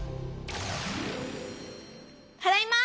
ただいま！